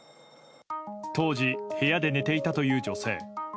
当時、部屋で寝ていたという女性。